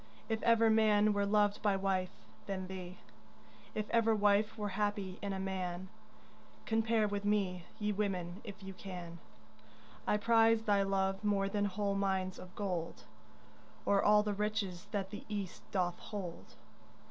If ever man were loved by wife, then thee; If ever wife were happy in a man, Compare with me, ye women, if you can. I prize thy love more than whole mines of gold Or all the riches that the East doth hold.